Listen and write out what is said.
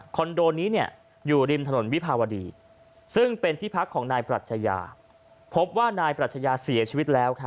โดนี้อยู่ริมถนนวิภาวดีซึ่งเป็นที่พักของนายปรัชญาพบว่านายปรัชญาเสียชีวิตแล้ว